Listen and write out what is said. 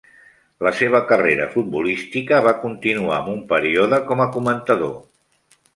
La seva carrera futbolística va continuar amb un període com a comentador.